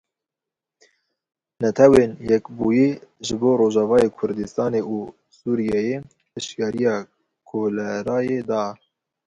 Netewên Yekbûyî ji bo Rojavayê Kurdistanê û Sûriyeyê hişyariya kolerayê da.